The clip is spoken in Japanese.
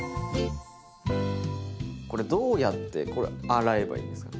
どうやってこれ洗えばいいんですか？